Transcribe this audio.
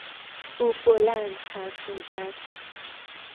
او بلند حرف میزد.